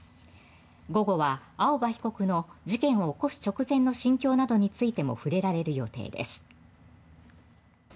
午後は青葉被告の事件を起こす直前の心境などについても触れられる予定です。